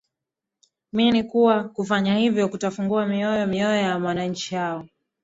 mini kwa kufanya hivyo kutafungua mioyo mioyo ya wananchi hao